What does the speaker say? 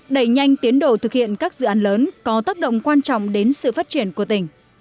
đẩy nhanh tiến độ thực hiện các dự án lớn có tác động quan trọng đến sản xuất nông nghiệp